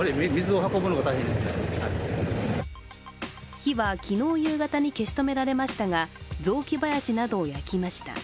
火は昨日夕方に消し止められましたが、雑木林などを焼きました。